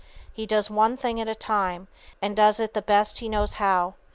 He does one thing at a time, and does it the best he knows how.